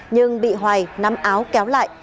nhưng bị hoài nắm áo kéo lại